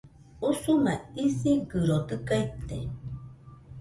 Usuma isigɨro dɨga ite